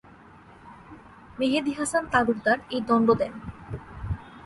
মেহেদী হাসান তালুকদার এই দণ্ড দেন।